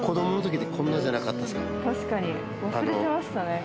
何か確かに忘れてましたね